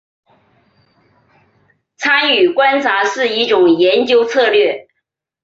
参与观察是一种研究策略。